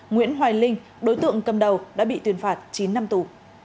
nguyễn hoài linh đối tượng cầm đầu đã bị tuyên phạt chín năm tù